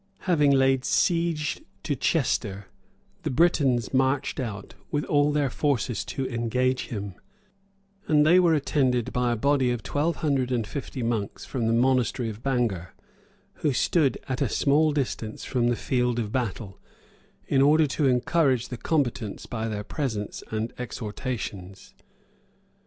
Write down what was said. Having laid siege to Chester, the Britons marched out with all their forces to engage him; and they were attended by a body of twelve hundred and fifty monks from the monastery of Bangor, who stood at a small distance from the field of battle, in order to encourage the combatants by their presence and exhortations.